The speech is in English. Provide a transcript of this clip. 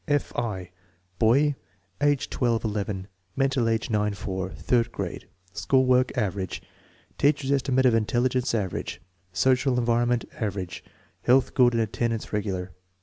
F. I. Boy, age 18 11; mental age 9 4; third grade; school work "average"; teacher's estimate of intelligence "average"; social en vironment "average"; health good and attendance regular.